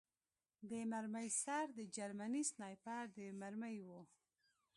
د مرمۍ سر د جرمني سنایپر د مرمۍ و